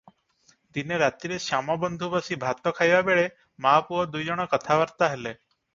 ଦିନେ ରାତିରେ ଶ୍ୟାମବନ୍ଧୁ ବସି ଭାତ ଖାଇବା ବେଳେ ମା’ ପୁଅ ଦୁଇ ଜଣ କଥାବାର୍ତ୍ତା ହେଲେ ।